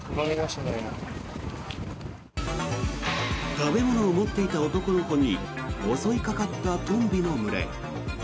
食べ物を持っていた男の子に襲いかかったトンビの群れ。